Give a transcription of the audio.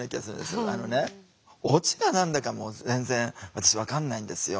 あのねオチが何だかも全然私分かんないんですよ